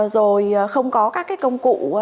rồi không có các cái công cụ